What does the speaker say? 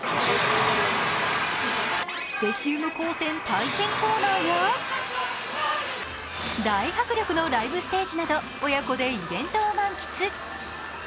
スペシウム光線体験コーナーや大迫力のライブステージなど親子でイベントを満喫。